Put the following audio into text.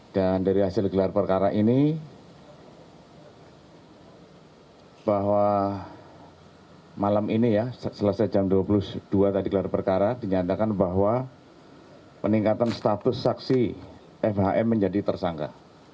dan dari hasil gelar perkara ini bahwa malam ini ya selesai jam dua puluh dua tadi gelar perkara dinyatakan bahwa peningkatan status saksi fhm menjadi tersangka